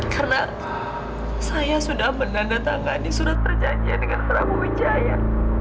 karena saya sudah menandatangani surat perjanjian dengan prabu wijaya